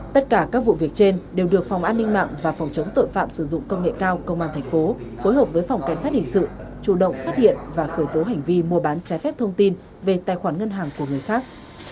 tất cả các vụ việc trên đều được phòng an ninh mạng và phòng chống tội phạm sử dụng công nghệ cao công an thành phố phối hợp với phòng cảnh sát hình sự chủ động phát hiện và khởi tố hành vi mua bán trái phép thông tin về tài khoản ngân hàng của người khác